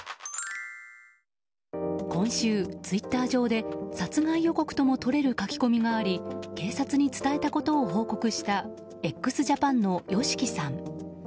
今週、ツイッター上で殺害予告とも取れる書き込みがあり警察に伝えたことを報告したＸＪＡＰＡＮのＹＯＳＨＩＫＩさん。